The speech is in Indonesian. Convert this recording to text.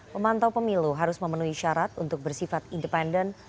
pemantau pemilu harus memenuhi syarat untuk bersifat independen